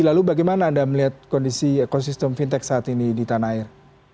lalu bagaimana anda melihat kondisi ekosistem fintech saat ini di tanah air